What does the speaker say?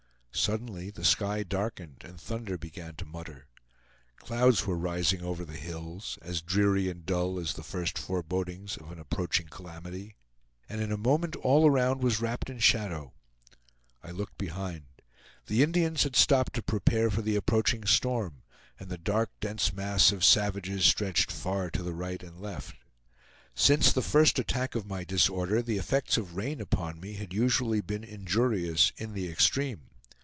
Suddenly the sky darkened, and thunder began to mutter. Clouds were rising over the hills, as dreary and dull as the first forebodings of an approaching calamity; and in a moment all around was wrapped in shadow. I looked behind. The Indians had stopped to prepare for the approaching storm, and the dark, dense mass of savages stretched far to the right and left. Since the first attack of my disorder the effects of rain upon me had usually been injurious in the extreme.